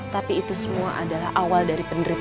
tapi itu semua adalah awal dari penderitaan